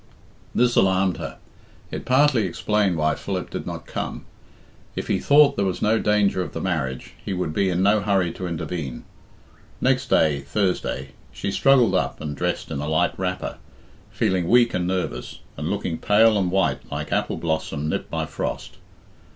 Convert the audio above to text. This alarmed her. It partly explained why Philip did not come. If he thought there was no danger of the marriage, he would be in no hurry to intervene. Next day (Thursday) she struggled up and dressed in a light wrapper, feeling weak and nervous, and looking pale and white like apple blossom nipped by frost.